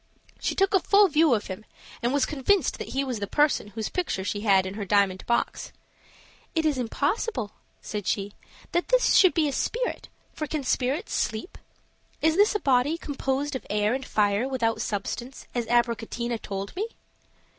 She took a full view of him, and was convinced that he was the person whose picture she had in her diamond box. "It is impossible," said she, "that this should be a spirit; for can spirits sleep? Is this a body composed of air and fire, without substance, as Abricotina told me?"